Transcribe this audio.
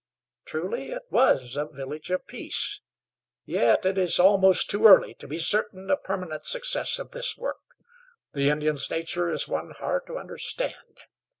Truly it was a village of peace. Yet it is almost to early to be certain of permanent success of this work. The Indian's nature is one hard to understand.